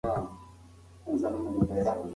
هغه هره پرېکړه د وجدان له تله تېروله.